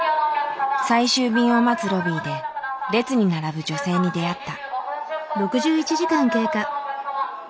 最終便を待つロビーで列に並ぶ女性に出会った。